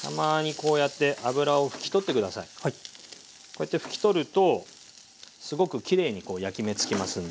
こうやって拭き取るとすごくきれいに焼き目つきますんで。